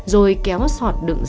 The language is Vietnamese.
rồi kéo sọt nhựa vào phía trước nhà tắm